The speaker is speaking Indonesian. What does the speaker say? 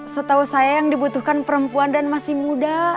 setahu saya yang dibutuhkan perempuan dan masih muda